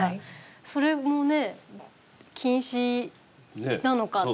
それもね、禁止なのかとか。